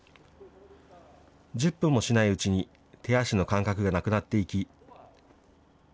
１０分もしないうちに、手足の感覚がなくなっていき。